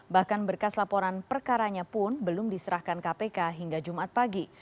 bahkan berkas laporan perkaranya pun belum diserahkan kpk hingga jumat pagi